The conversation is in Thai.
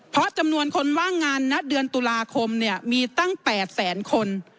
เพราะจำนวนคนว่างงานณเดือนตุลาคมเนี่ยมีตั้ง๘แสนคน